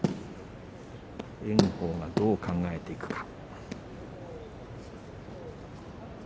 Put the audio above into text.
炎鵬がどう考えていくか。